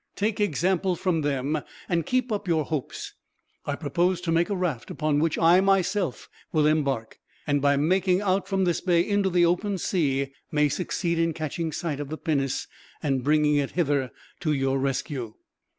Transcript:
Take example from them, and keep up your hopes. I propose to make a raft upon which I myself will embark, and by making out from this bay into the open sea, may succeed in catching sight of the pinnace, and bringing it hither to your rescue."